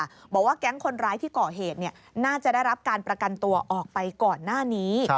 บอกว่าแก๊งคนร้ายที่ก่อเหตุน่าจะได้รับการประกันตัวออกไปก่อนหน้านี้